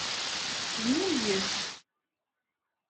Zmumeg-d.